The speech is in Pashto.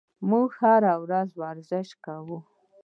موږ هره ورځ ورزش کوو.